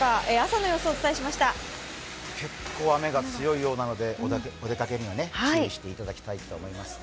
結構、雨が強いようなのでお出かけには注意していただきたいですね。